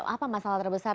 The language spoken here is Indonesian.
apa masalah terbesar